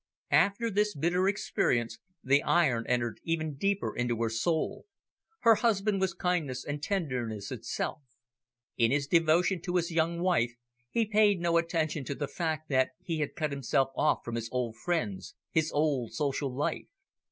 After this bitter experience, the iron entered even deeper into her soul. Her husband was kindness and tenderness itself. In his devotion to his young wife, he paid no attention to the fact that he had cut himself off from his old friends, his old social life.